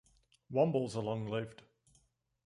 Wombles are long-lived.